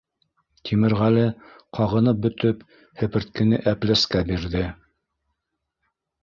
Тимерғәле, ҡағынып бөтөп, һеперткене Әпләскә бирҙе.